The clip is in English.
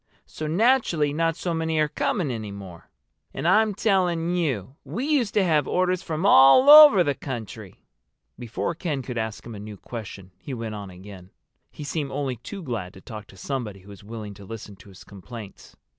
So naturally not so many are coming any more. And I'm telling you we used to have orders from all over the country!" Before Ken could ask him a new question he went on again. He seemed only too glad to talk to somebody who was willing to listen to his complaints.